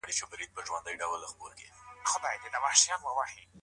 څوک د تاجکستان او افغانستان ترمنځ اړیکي همغږې کوي؟